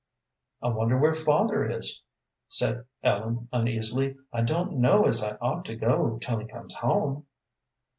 "I wonder where father is?" said Ellen, uneasily. "I don't know as I ought to go till he comes home."